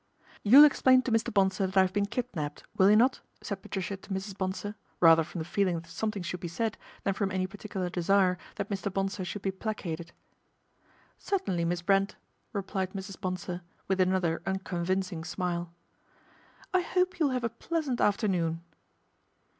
" You'll explain to Mr. Bonsor that I've been kidnapped, will you not ?" said Patricia to Mrs. Bonsor, rather from the feeling that something should be said than from any particular desire that Mr. Bonsor should be placated. " Certainly, Miss Brent," replied Mrs. Bonsor, with another unconvincing smile. " I hope you'll have a pleasant afternoon."